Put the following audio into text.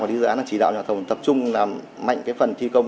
quản lý dự án là chỉ đạo nhà thầu tập trung làm mạnh cái phần thi công